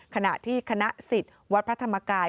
ขณะที่คณะสิทธิ์วัดพระธรรมกาย